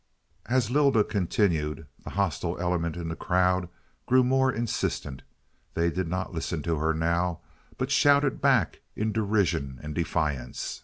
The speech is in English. As Lylda continued, the hostile element in the crowd grew more insistent. They did not listen to her now but shouted back, in derision and defiance.